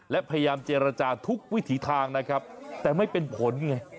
และพยายามเจรจาทุกวิถีทางนะครับแต่ไม่เป็นผลไง